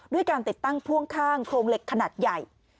การติดตั้งพ่วงข้างโครงเหล็กขนาดใหญ่